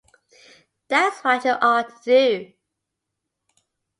That’s what you ought to do.